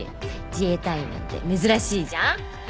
自衛隊員なんて珍しいじゃん。